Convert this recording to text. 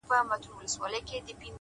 زغم د حکمت نښه ده،